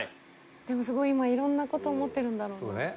「でもすごい今色んな事思ってるんだろうな」